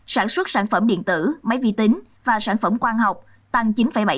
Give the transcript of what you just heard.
sản xuất sản phẩm điện tử máy vi tính và sản phẩm quan học tăng chín bảy